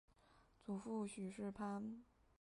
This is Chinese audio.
祖父许士蕃。